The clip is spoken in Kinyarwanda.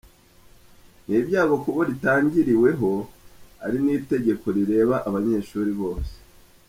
Ni ibyago kubo ritangiriweho ari ni itegeko rireba abanyeshuri bose.